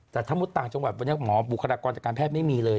แต่สมมติตามจังหวัดเพื่อนบุคลากรัฐพยาศาสตร์ไม่มีเลย